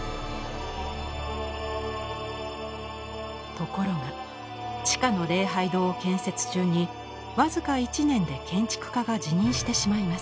ところが地下の礼拝堂を建設中に僅か１年で建築家が辞任してしまいます。